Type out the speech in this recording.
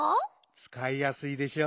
つかいやすいでしょ？